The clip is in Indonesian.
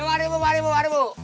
yuk mari bu mari bu mari bu